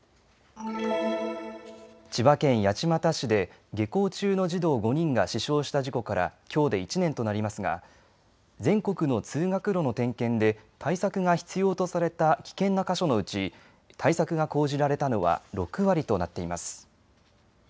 千葉県八街市で下校中の児童５人が死傷した事故からきょうで１年となりますが全国の通学路の点検で対策が必要とされた危険な箇所のうち対策が講じられたのは６割となっています。